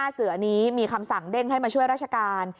เสือนี้มีคำสั่งเด้งให้มาช่วยราชการ